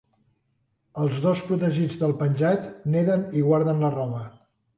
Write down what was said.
Els dos protegits del penjat neden i guarden la roba.